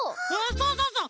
そうそうそう！